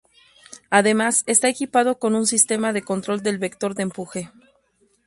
Además, está equipado con un sistema de control del vector de empuje.